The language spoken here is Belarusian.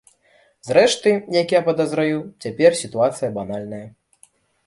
Зрэшты, як я падазраю, цяпер сітуацыя банальная.